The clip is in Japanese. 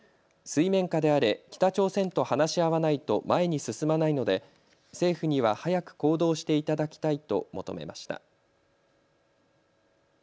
水面下であれ、北朝鮮と話し合わないと前に進まないので政府には早く行動していただきたいと求めました。